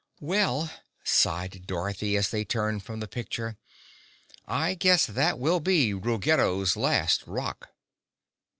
"Well," sighed Dorothy as they turned from the picture, "I guess that will be Ruggedo's last rock!"